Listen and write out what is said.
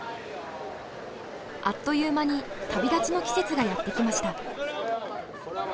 あっという間に旅立ちの季節がやって来ました。